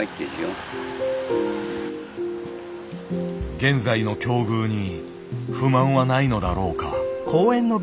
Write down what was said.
現在の境遇に不満はないのだろうか。